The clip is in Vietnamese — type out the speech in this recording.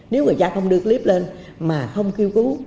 nếu người cha không đưa clip lên mà không kêu cứu